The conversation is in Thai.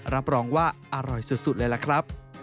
รับรองว่าอร่อยสุดเลยล่ะครับ